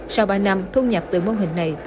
sau ba năm thu nhập từ mô hình này